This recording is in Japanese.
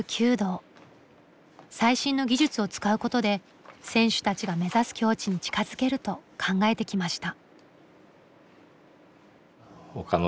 最新の技術を使うことで選手たちが目指す境地に近づけると考えてきました。